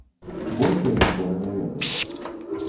Больш я нічога не ведаю.